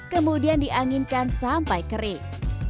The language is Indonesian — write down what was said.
kemudian dianginkan sampai kering